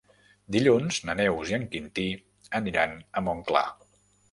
Dilluns na Neus i en Quintí aniran a Montclar.